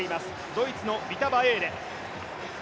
ドイツのリタ・バエーレ。